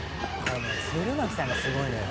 「鶴巻さんがすごいのよ」